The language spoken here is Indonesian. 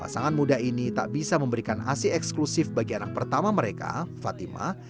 pasangan muda ini tak bisa memberikan asi eksklusif bagi anak pertama mereka fatimah